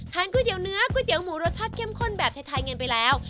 ทานก๋วยเตี๋ยวเนื้อก๋วยเตี๋ยวหมูรสชาติเข้มข้นแบบชายไทยเงินไปแล้ว